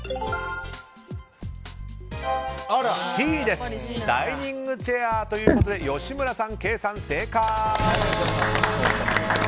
Ｃです、ダイニングチェアということで吉村さん、ケイさん正解！